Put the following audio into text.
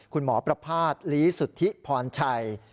คุณหมอประภาษณ์ลีสุทธิพรชัย